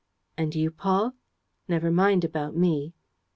"And you, Paul?" "Never mind about me."